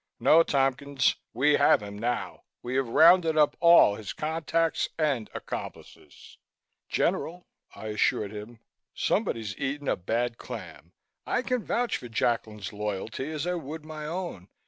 No, Tompkins, we have him now. We have rounded up all his contacts and accomplices." "General," I assured him, "somebody's eaten a bad clam. I can vouch for Jacklin's loyalty as I would my own.